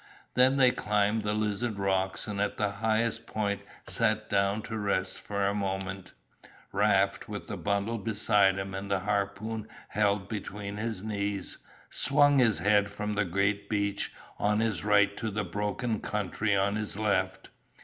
Then they climbed the Lizard rocks and at the highest point sat down to rest for a moment. Raft, with the bundle beside him and the harpoon held between his knees, swung his head from the great beach on his right to the broken country on his left.